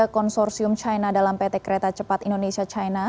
konsorsium china dalam pt kereta cepat indonesia china